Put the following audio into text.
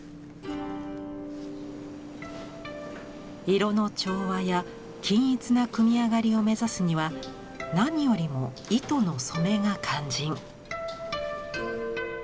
色の調和や均一な組み上がりを目指すには何よりも糸の染めが肝心。